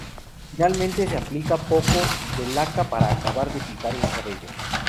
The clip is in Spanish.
Finalmente, se aplica un poco de laca para acabar de fijar el cabello.